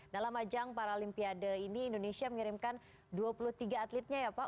dalam ajang paralimpiade ini indonesia mengirimkan dua puluh tiga atletnya ya pak